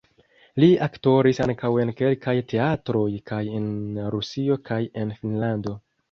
Li aktoris ankaŭ en kelkaj teatroj kaj en Rusio kaj en Finnlando.